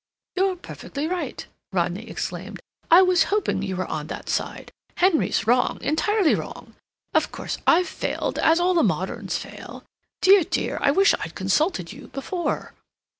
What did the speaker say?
"You're perfectly right," Rodney exclaimed. "I was hoping you were on that side. Henry's wrong—entirely wrong. Of course, I've failed, as all the moderns fail. Dear, dear, I wish I'd consulted you before."